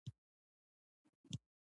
مهدي که څه هم مصری دی خو ژباړه یې سمه نه وه.